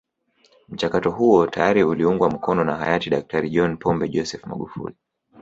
Mchakato huo tayari uliungwa mkono na hayati Daktari John Pombe Joseph Magufuli